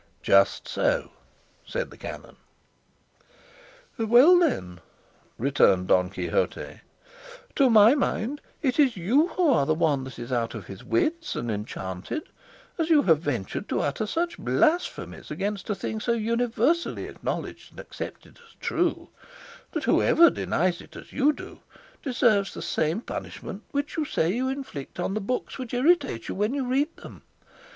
"Just so," said the canon. "Well then," returned Don Quixote, "to my mind it is you who are the one that is out of his wits and enchanted, as you have ventured to utter such blasphemies against a thing so universally acknowledged and accepted as true that whoever denies it, as you do, deserves the same punishment which you say you inflict on the books that irritate you when you read them.